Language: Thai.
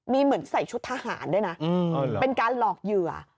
มีเหมือนใส่ชุดทหารด้วยนะเป็นการหลอกเหยื่อ